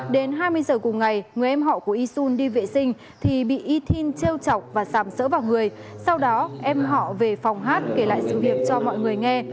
đến khoảng một mươi chín h bốn mươi năm cùng ngày người em họ của yisun đi vệ sinh thì bị yitian treo chọc và sàm sỡ vào người sau đó em họ về phòng hát kể lại sự việc cho mọi người nghe